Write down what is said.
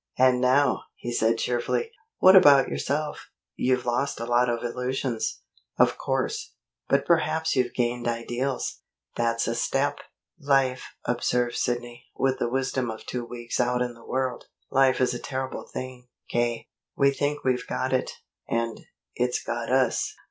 "And now," he said cheerfully, "what about yourself? You've lost a lot of illusions, of course, but perhaps you've gained ideals. That's a step." "Life," observed Sidney, with the wisdom of two weeks out in the world, "life is a terrible thing, K. We think we've got it, and it's got us."